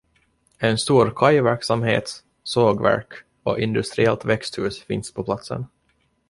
En stor kajverksamhet, sågverk och industriellt växthus finns på platsen.